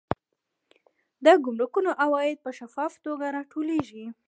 د ګمرکونو عواید په شفافه توګه راټولیږي.